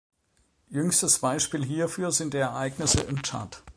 Jüngstes Beispiel hierfür sind die Ereignisse im Tschad.